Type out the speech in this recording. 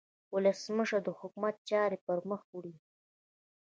ولسمشر د حکومت چارې پرمخ وړي.